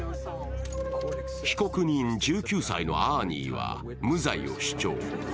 被告人、１９歳のアーニーは無罪を主張。